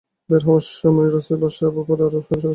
বের হওয়ার চেয়ে রাস্তায় বাস চাপা পড়া আরো সহজ কাজ।